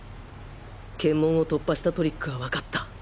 検問を突破したトリックはわかった！